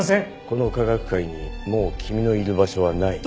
この科学界にもう君のいる場所はない。